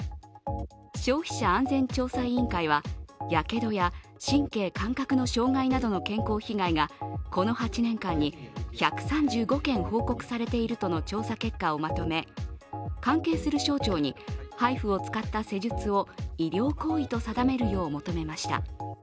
消費者安全調査委員会はやけどや神経・感覚の障害などの被害がこの８年間に１３５件報告されているとの調査結果をまとめ、関係する省庁にＨＩＦＵを使った施術を医療行為と定めるよう求めました。